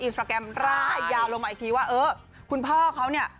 สตราแกรมร่ายยาวลงมาอีกทีว่าเออคุณพ่อเขาเนี่ย